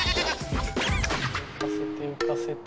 浮かせて浮かせて。